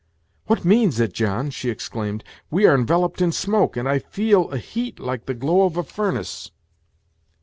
"What means it, John?" she exclaimed: "we are enveloped in smoke, and I feel a heat like the glow of a furnace."